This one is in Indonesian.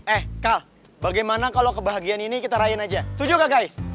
eh kal bagaimana kalau kebahagiaan ini kita rayain aja tuju gak guys